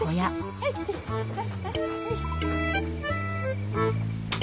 はいはい。